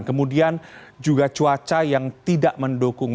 kemudian juga cuaca yang tidak mendukung